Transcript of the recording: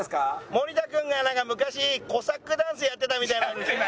森田君が昔コサックダンスやってたみたいなんですけど。